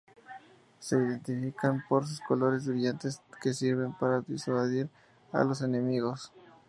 Se identifican por sus colores brillantes que sirven para disuadir a los enemigos.